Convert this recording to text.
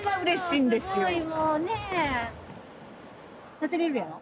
立てれるやろ？